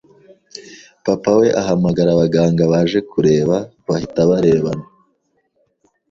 papa we ahamagara abaganga baje kureba bahita barebana